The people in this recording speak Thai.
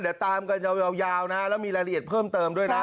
เดี๋ยวตามกันยาวนะแล้วมีรายละเอียดเพิ่มเติมด้วยนะ